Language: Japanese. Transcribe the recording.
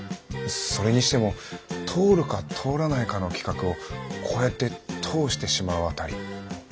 それにしても通るか通らないかの企画をこうやって通してしまうあたり